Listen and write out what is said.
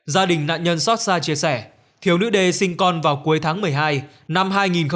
gia đình nạn nhân xót xa chia sẻ thiếu nữ đê sinh con vào cuối tháng một mươi hai năm hai nghìn một mươi chín